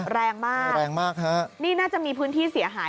แรงมากแรงมากฮะนี่น่าจะมีพื้นที่เสียหาย